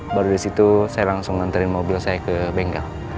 baru disitu saya langsung nganterin mobil saya ke bengkel